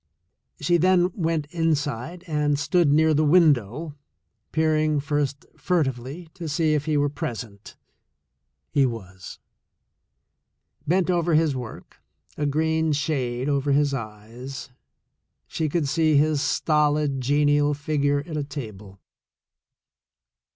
She then went inside and stood near the window, peering first fur tively to see if he were present. He was. Bent over his work, a green shade over his eyes, she could see his stolid, genial figure at a table.